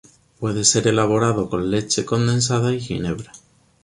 Puede ser elaborado con leche condensada y ginebra.